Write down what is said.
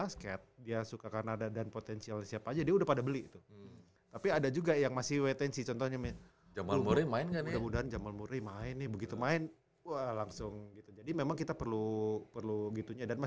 sampai jumpa di video selanjutnya